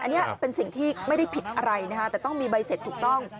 อันนี้เป็นสิ่งที่ไม่ได้ผิดอะไรนะคะแต่ต้องมีใบเสร็จถูกต้อง